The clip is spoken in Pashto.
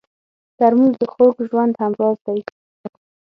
ترموز د خوږ ژوند همراز دی.